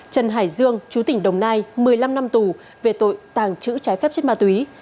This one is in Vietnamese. trần hải dương chú tỉnh đồng nai một mươi năm năm tù về tội tàng trữ trái phép chất ma túy